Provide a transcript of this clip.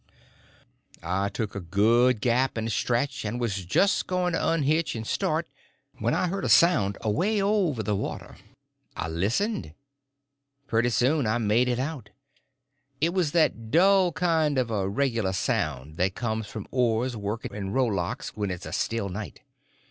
I took a good gap and a stretch, and was just going to unhitch and start when I heard a sound away over the water. I listened. Pretty soon I made it out. It was that dull kind of a regular sound that comes from oars working in rowlocks when it's a still night.